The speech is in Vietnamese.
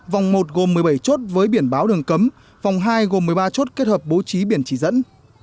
vòng một gồm một mươi bảy chốt với biển báo đường cấm vòng hai gồm một mươi ba chốt kết hợp bố trí biển chỉ dẫn